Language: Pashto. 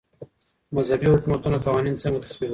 مذهبي حکومتونه قوانين څنګه تصويبوي؟